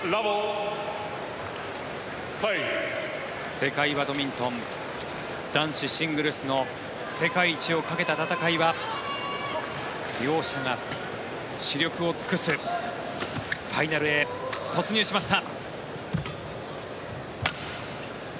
世界バドミントン男子シングルスの世界一をかけた戦いは両者が死力を尽くすファイナルへ突入しました。